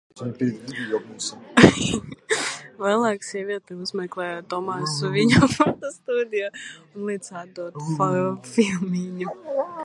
Vēlāk sieviete uzmeklē Tomasu viņa fotostudijā un lūdz atdot filmiņu.